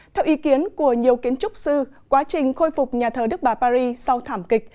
theo ý kiến của nhiều kiến trúc sư quá trình khôi phục nhà thờ đức bà paris sau thảm kịch